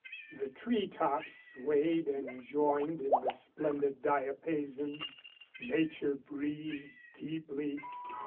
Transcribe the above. The tree tops swayed and joined in the splendid diapason. Nature breathed deeply.